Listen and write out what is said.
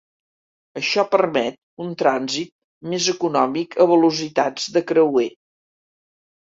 Això permet un trànsit més econòmic a velocitats de creuer.